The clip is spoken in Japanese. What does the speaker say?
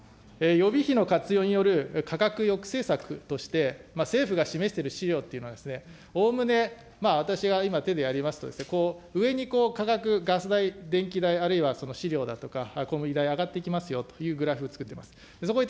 予備費の活用による価格抑制策として、政府が示している資料というのが、おおむね私が今手でやりますとこう、上に価格、ガス代、電気代とかしりょうだとか、小麦代、上がってきますよというグラフを作っていきます。